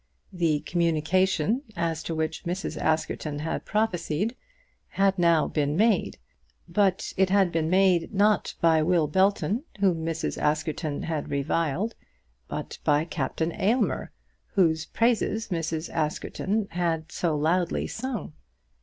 The communication, as to which Mrs. Askerton had prophesied, had now been made; but it had been made, not by Will Belton, whom Mrs. Askerton had reviled, but by Captain Aylmer, whose praises Mrs. Askerton had so loudly sung.